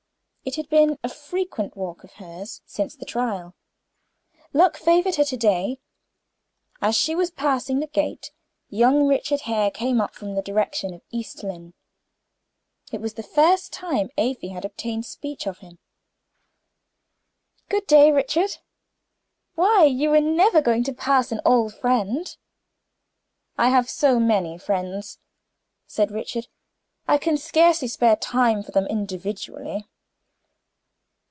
It had been a frequent walk of hers since the trial. Luck favored her to day. As she was passing the gate, young Richard Hare came up from the direction of East Lynne. It was the first time Afy had obtained speech of him. "Good day, Richard. Why! you were never going to pass an old friend?" "I have so many friends," said Richard, "I can scarcely spare time for them individually."